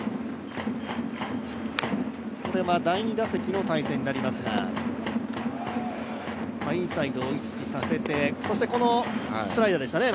第２打席の対戦になりますが、インサイドを意識させて、そしてこのスライダーでしたね。